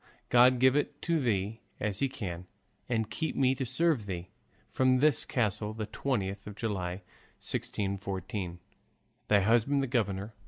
God give it to thee as he can, and keep me to serve thee. From this castle, the 20th of July, 1614. Thy husband, the governor.